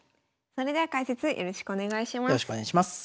それでは解説よろしくお願いします。